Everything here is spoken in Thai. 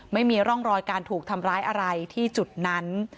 ไม่มีร่องรอยการถูกทำร้ายอะไรที่จุดนั้น